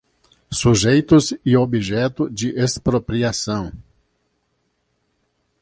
Sujeitos e objeto de expropriação.